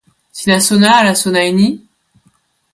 sina sona ala sona e ni?